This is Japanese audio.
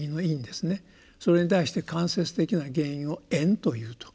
それに対して間接的な原因を「縁」と言うと。